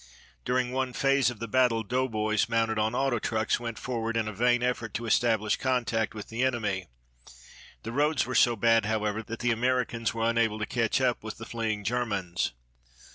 During one phase of the battle doughboys mounted on auto trucks went forward in a vain effort to establish contact with the enemy. The roads were so bad, however, that the Americans were unable to catch up with the fleeing Germans.